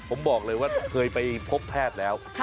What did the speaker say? ผมบอกเลยว่าเคยไปพบแพทย์แล้ว